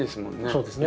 そうですね。